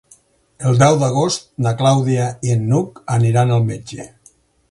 El deu d'agost na Clàudia i n'Hug aniran al metge.